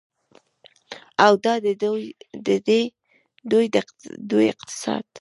او دا دی د دوی اقتصاد.